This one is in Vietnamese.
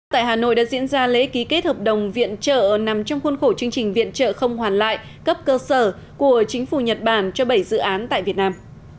tại hà nội đã diễn ra lễ ký kết hợp đồng viện trợ nằm trong khuôn khổ chương trình viện trợ không hoàn lại cấp cơ sở của chính phủ nhật bản cho bảy dự án tại việt nam